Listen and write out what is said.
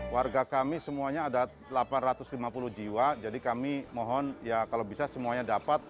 warga kami semuanya ada delapan ratus lima puluh jiwa jadi kami mohon ya kalau bisa semuanya dapat